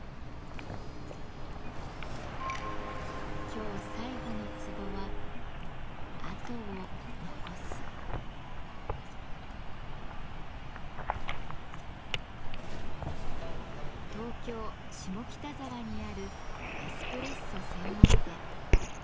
今日最後のツボは東京・下北沢にあるエスプレッソ専門店。